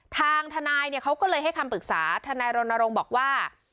ทางทนายเนี่ยเขาก็เลยให้คำปรึกษาทนายรณรงค์บอกว่า